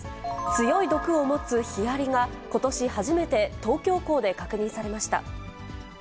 強い毒を持つヒアリがことし初めて東京港で確認されました。